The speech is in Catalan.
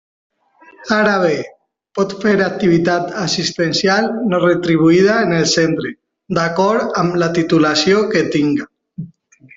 Ara bé, pot fer activitat assistencial no retribuïda en el centre, d'acord amb la titulació que tinga.